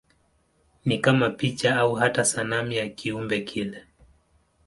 Ni kama picha au hata sanamu ya kiumbe kile.